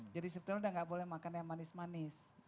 jadi setelah itu udah gak boleh makan yang manis manis